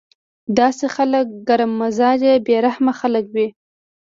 داسې خلک ګرم مزاجه بې رحمه خلک وي